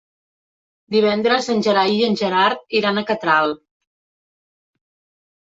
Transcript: Divendres en Gerai i en Gerard iran a Catral.